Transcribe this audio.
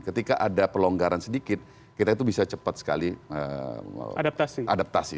ketika ada pelonggaran sedikit kita itu bisa cepat sekali adaptasi